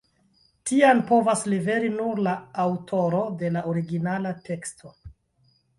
Tian povas liveri nur la aŭtoro de la originala teksto.